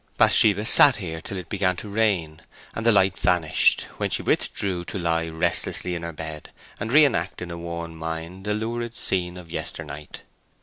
Bathsheba sat here till it began to rain, and the light vanished, when she withdrew to lie restlessly in her bed and re enact in a worn mind the lurid scene of yesternight.